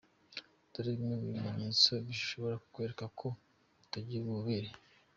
Dore bimwe mu bimenyetso bishobora kukwereka ko utakigira ububobere.